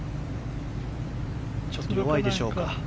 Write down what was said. ちょっと弱いでしょうか。